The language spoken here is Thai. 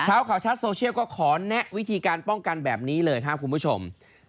เช้าข่าวชัดโซเชียลก็ขอแนะวิธีการป้องกันแบบนี้เลยครับคุณผู้ชม